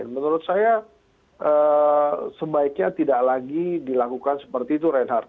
menurut saya sebaiknya tidak lagi dilakukan seperti itu reinhardt